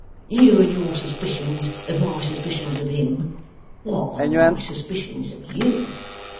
You and your suspicions of my suspicions of him! What are my suspicions of you?